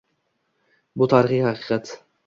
Bu tarixiy haqiqat.